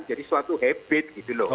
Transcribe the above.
jadi suatu habit gitu loh